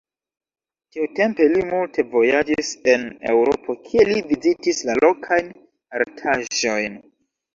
Tiutempe li multe vojaĝis en Eŭropo, kie li vizitis la lokajn artaĵojn.